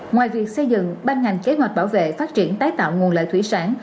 ngoài việc xây dựng ban ngành kế hoạch bảo vệ phát triển tái tạo nguồn lợi thủy sản